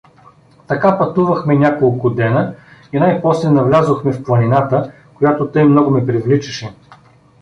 Така пътувахме няколко дена и най-после навлязохме в планината, която тъй много ме привличаше.